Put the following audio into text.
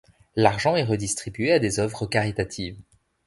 L’argent est redistribué à des œuvres caritatives.